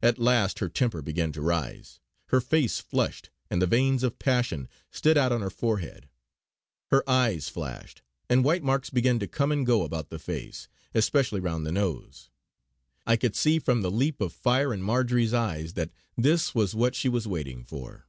At last her temper began to rise; her face flushed, and the veins, of passion stood out on her forehead. Her eyes flashed, and white marks began to come and go about the face, especially round the nose. I could see from the leap of fire in Marjory's eyes that this was what she was waiting for.